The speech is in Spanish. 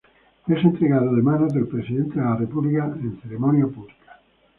Es entregado de manos del Presidente de la República en ceremonia pública.